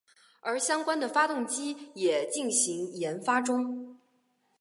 而相关的发动机也进行研发中。